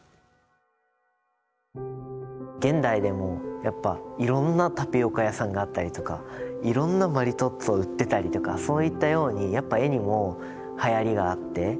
現代でもやっぱいろんなタピオカ屋さんがあったりとかいろんなマリトッツォを売ってたりとかそういったようにやっぱ絵にもはやりがあって。